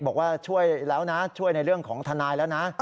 บอกว่าช่วยแล้วนะช่วยในเรื่องของทนายแล้วนะ